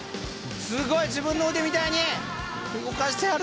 すごい自分の腕みたいに動かしてはる！